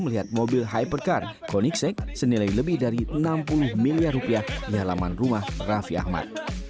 melihat mobil hypercar connectech senilai lebih dari enam puluh miliar rupiah di halaman rumah raffi ahmad